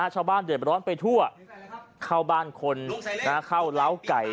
ชาวบ้านเดือดร้อนไปทั่วเข้าบ้านคนเข้าเล้าไก่